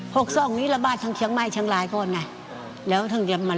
อฮีวาแอฟริกายอกลังตั้งเชี่ยงไหมและเชี่ยงราย